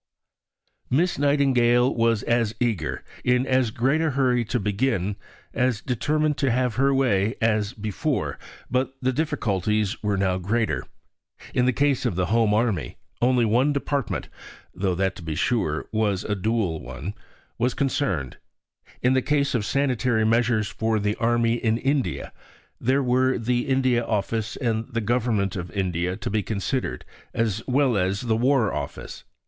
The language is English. Miss Nightingale was as eager, in as great a hurry to begin, as determined to have her way, as before; but the difficulties were now greater. In the case of the Home Army, only one department (though that, to be sure, was a dual one) was concerned; in the case of Sanitary measures for the Army in India, there were the India Office and the Government of India to be considered as well as the War Office.